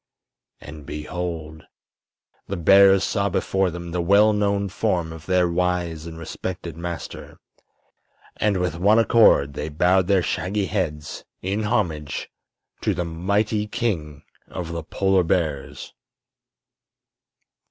And behold! the bears saw before them the well known form of their wise and respected master, and with one accord they bowed their shaggy heads in homage to the mighty King of the Polar Bears.